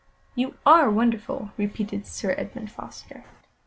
"You are wonderful!" repeated Sir Edmund Foster.